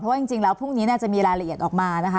ว่าจริงแล้วพรุ่งนี้จะมีรายละเอียดออกมานะคะ